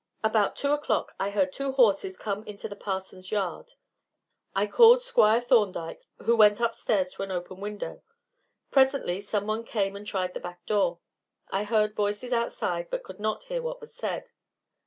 About two o'clock I heard two horses come into the Parson's yard. I called Squire Thorndyke, who went upstairs to an open window; presently someone came and tried the back door. I heard voices outside, but could not hear what was said.